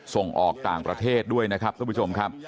ส่งออกต่างประเทศด้วยนะครับท่านผู้ชมครับ